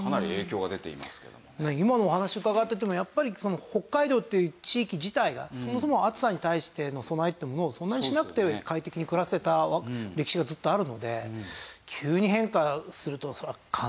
今のお話伺っててもやっぱり北海道っていう地域自体がそもそも暑さに対しての備えっていうものをそんなにしなくて快適に暮らせた歴史がずっとあるので。